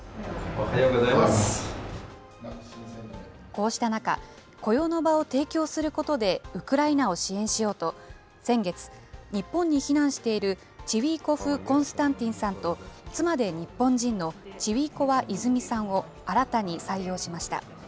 こうした中、雇用の場を提供することで、ウクライナを支援しようと、先月、日本に避難している、チウィーコフ・コンスタンティンさんと妻で日本人のチウィーコワ・いづみさんを新たに採用しました。